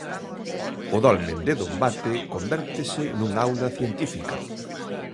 O dolmen de Dombate convértese nunha aula científica.